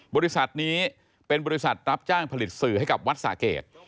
บริษัทนี้เป็นบริษัทรับจ้างผลิตสื่อให้กับวัดสาเกต